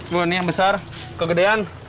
gue ini yang besar kegedean